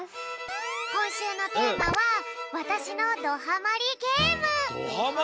こんしゅうのテーマはどハマりゲーム！？